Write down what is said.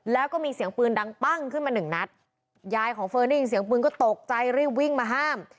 แล้วก็มีเสียงปืนดังปั้งขึ้นมาหนึ่งนัดยายของเฟิร์นได้ยินเสียงปืนก็ตกใจรีบวิ่งมาห้าม